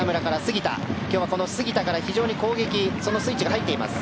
今日は杉田から攻撃のスイッチが入っています。